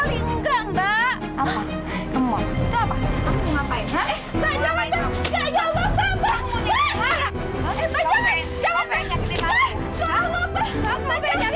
lara dimana sekarang